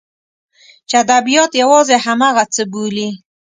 چې ادبیات یوازې همغه څه بولي.